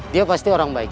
dia pasti orang baik